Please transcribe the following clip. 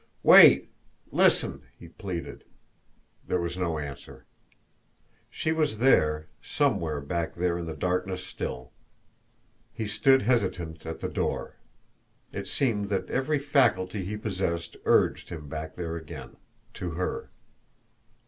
"Wait! Listen!" he pleaded. There was no answer. She was there somewhere back there in the darkness still. He stood hesitant at the door. It seemed that every faculty he possessed urged him back there again to her.